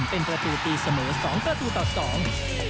เป็นประตูตีเสมอสองประตูต่อสอง